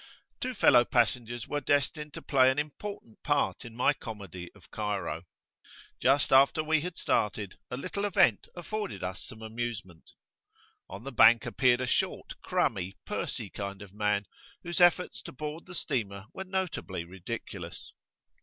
Two fellow passengers were destined to play an important part in my comedy of Cairo. Just after we had started, a little event afforded us some amusement. On the bank appeared a short, crummy, pursy kind of man, whose efforts to board the steamer were notably ridiculous.